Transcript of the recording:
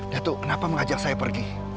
datu kenapa mengajak saya pergi